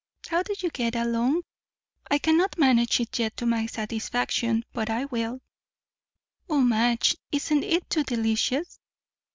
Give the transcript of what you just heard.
"How do you get along?" "I cannot manage it yet, to my satisfaction; but I will. O Madge, isn't it too delicious?"